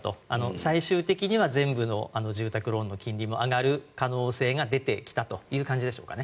最終的には全部の住宅ローンの金利も上がる可能性が出てきたという感じでしょうかね。